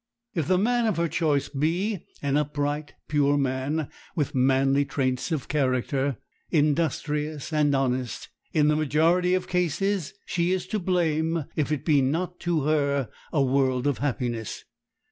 If the man of her choice be an upright, pure man, with manly traits of character, industrious and honest, in the majority of cases she is to blame if it be not to her a world of happiness.